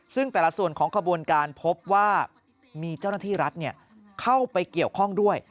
ซึ่งแต่ละส่วนของขบวนการพบว่ามีเจ้าหน้าที่รัฐเข้าไปเกี่ยวข้องด้วย